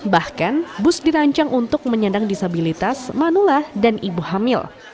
bahkan bus dirancang untuk menyandang disabilitas manula dan ibu hamil